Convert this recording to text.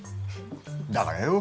だからよ。